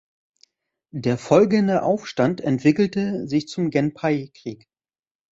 Der folgende Aufstand entwickelte sich zum Genpei-Krieg.